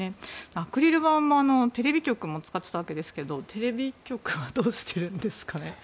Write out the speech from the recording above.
アクリル板もテレビ局も使っていたわけですがテレビ局はどうしているんですかね。